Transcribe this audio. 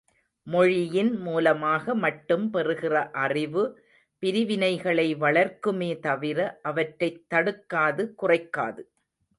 மொழியின் மூலமாக மட்டும் பெறுகிற அறிவு பிரிவினைகளை வளர்க்குமே தவிர அவற்றைத் தடுக்காது குறைக்காது.